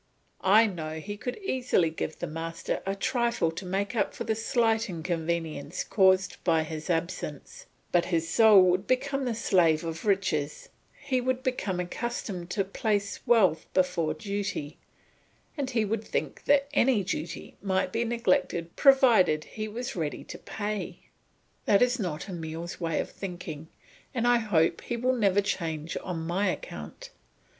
I know he could easily give the master a trifle to make up for the slight inconvenience caused by his absence; but his soul would become the slave of riches, he would become accustomed to place wealth before duty, and he would think that any duty might be neglected provided he was ready to pay. That is not Emile's way of thinking, and I hope he will never change on my account.